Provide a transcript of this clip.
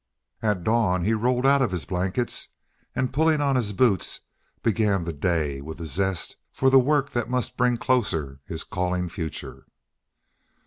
At dawn he rolled out of his blankets and, pulling on his boots, began the day with a zest for the work that must bring closer his calling future.